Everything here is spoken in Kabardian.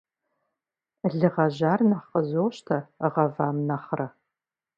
Лы гъэжьар нэхъ къызощтэ гъэвам нэхърэ.